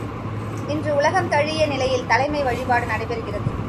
இன்று உலகந் தழீஇய நிலையில் தலைமை வழிபாடு நடைபெறுகிறது.